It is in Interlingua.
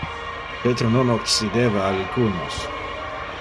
Peter non occideva alicunos.